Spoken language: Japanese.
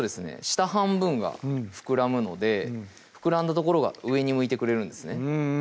下半分が膨らむので膨らんだ所が上に向いてくれるんですね